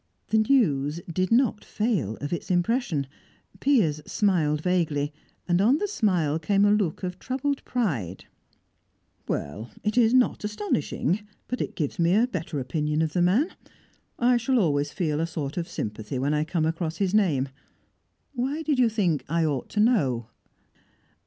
The news did not fail of its impression. Piers smiled vaguely, and on the smile came a look of troubled pride. "Well, it is not astonishing, but it gives me a better opinion of the man. I shall always feel a sort of sympathy when I come across his name. Why did you think I ought to know?"